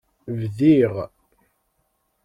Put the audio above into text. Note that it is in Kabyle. Bdiɣ.